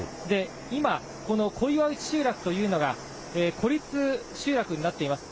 今、この小岩内集落というのが、孤立集落になっています。